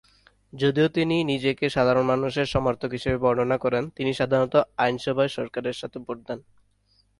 যদিও তিনি নিজেকে সাধারণ মানুষের সমর্থক হিসেবে বর্ণনা করেন, তিনি সাধারণত আইন সভায় সরকারের সাথে ভোট দেন।